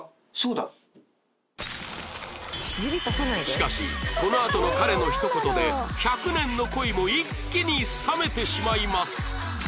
しかしこのあとの彼のひと言で１００年の恋も一気に冷めてしまいます